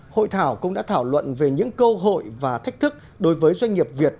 hội thảo cũng đã thảo luận về những cơ hội và thách thức đối với doanh nghiệp việt